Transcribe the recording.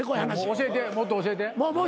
教えてもっと教えて。